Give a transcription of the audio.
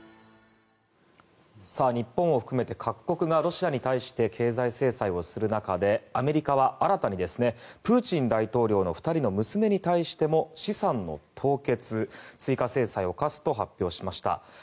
日本を含めて各国がロシアに対して経済制裁をする中でアメリカは新たにプーチン大統領の２人の娘に対しても資産の凍結追加制裁を科すと発表しました。